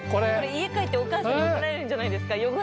家帰ってお母さんに怒られるんじゃないですか「汚さないの！」